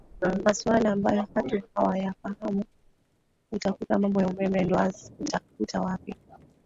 masuala ambayo hatu hawayafahamu utakuta mambo ya umeme ndoas utakuta wapi